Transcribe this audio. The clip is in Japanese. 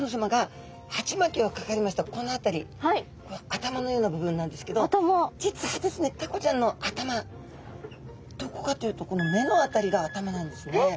頭のような部分なんですけど実はですねタコちゃんの頭どこかというとこの目のあたりが頭なんですね。え？